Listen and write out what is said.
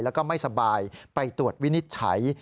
แล้วก็ไม่สบายไปตรวจวินิจฉัย